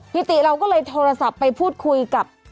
ติเราก็เลยโทรศัพท์ไปพูดคุยกับ